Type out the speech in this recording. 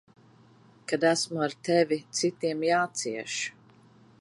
Kad esmu ar tevi, citiem jācieš.